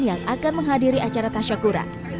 dan akan menghadiri acara tasyakuran